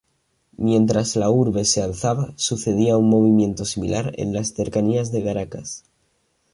Mientras la urbe se alzaba, sucedía un movimiento similar en las cercanías de Caracas.